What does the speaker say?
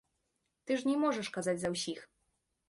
Ты ж не можаш казаць за ўсіх.